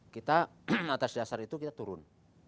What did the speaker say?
kita atas dasar itu kita turun